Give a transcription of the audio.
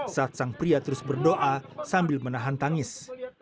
saat sang pria terus berdoa sambil menahan tangis